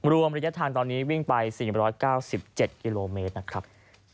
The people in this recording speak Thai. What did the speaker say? รวมระยะทางตอนนี้วิ่งไป๔๙๗กิโลเมตรนะครับ